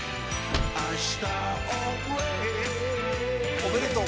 おめでとう。